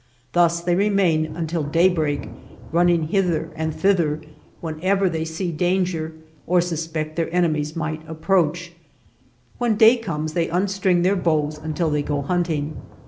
Thus they remain until daybreak, running hither and thither when ever they see danger or suspect their ene mies might approach. When day comes they unstring their bows until they go hunt ing.